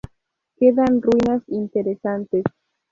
Quedan ruinas interesantes.